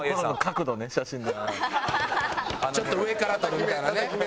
ちょっと上から撮るみたいなね。